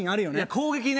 攻撃ね